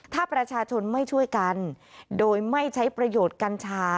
ถ้าประชาชนไม่ช่วยกันโดยไม่ใช้ประโยชน์กัญชา